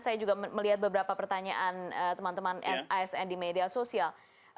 saya juga melihat beberapa pertanyaan teman teman asn di media sosial